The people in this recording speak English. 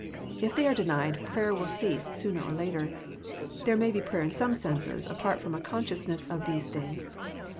If they are denied prayer will cease sooner or later. There may be prayer in some senses apart from a consciousness of these things.